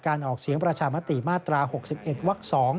ออกเสียงประชามติมาตรา๖๑วัก๒